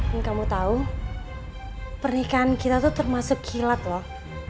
yang kamu tahu pernikahan kita tuh termasuk hilat loh